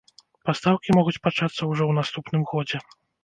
Пастаўкі могуць пачацца ўжо ў наступным годзе.